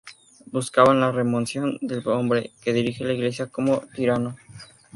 Buscaban la remoción del hombre ""que dirige la iglesia como un tirano"".